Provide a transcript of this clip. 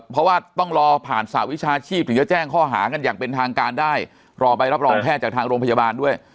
เพราะว่าต้องรอผ่านสหวิชาชีพถึงจะแจ้งข้อหากันอย่างเป็นทางการได้รอใบรับรองแพทย์จากทางโรงพยาบาลด้วย